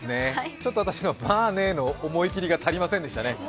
ちょっと私のまぁねぇの思い切りが足りませんでしたね。